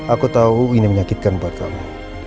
aku tahu ini menyakitkan buat kamu